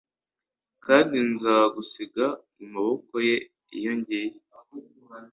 kandi nzagusiga mu maboko ye iyo ngiye